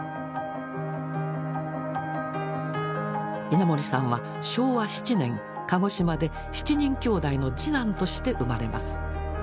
稲盛さんは昭和７年鹿児島で７人きょうだいの次男として生まれます。